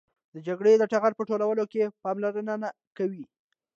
د جګړې د ټغر په ټولولو کې پاملرنه نه کوي.